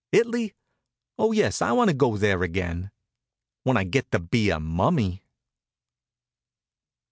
It'ly! Oh, yes, I want to go there again when I get to be a mummy.